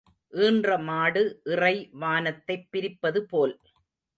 ஈன்ற மாடு இறை வானத்தைப் பிரிப்பது போல்.